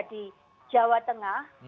di jawa tengah